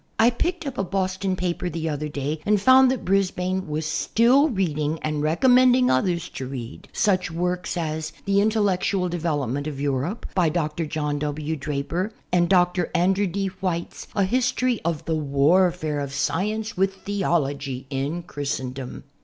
I picked up a Boston paper the other day and found that 1 Brisbane was still reading and recommending others to read such works as "The Intellectual Development of Iuiro|x\" by Dr. John W. Draper, and Dr. Andrew D. White's "A History of the Warfare of Science wjth SECOND HAND HISTORY 17 Theology in Christendom."